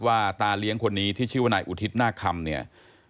ว่าตาเลี้ยงคนนี้ที่ชีวนัยอุทิศนาคมเนี่ย